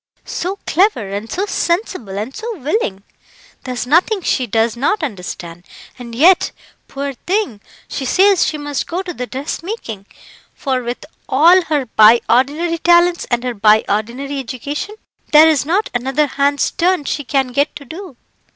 "So clever, and so sensible, and so willing! There's nothing she does not understand, and yet, poor thing, she says she must go to the dressmaking, for with all her by ordinary talents and her by ordinary education, there is not another hand's turn she can get to do.